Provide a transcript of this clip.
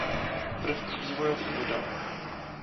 První vývojový model.